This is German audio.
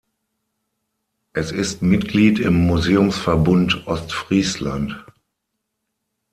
Es ist Mitglied im Museumsverbund Ostfriesland.